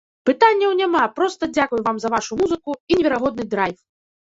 Пытанняў няма, проста дзякуй вам за вашу музыку і неверагодны драйв!